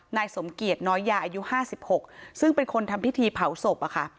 นายสมเกียจน้อยยาอายุ๕๖ซึ่งเป็นคนทำพิธีเผาศพอะค่ะ